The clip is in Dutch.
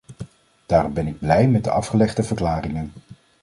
Daarom ben ik blij met de afgelegde verklaringen.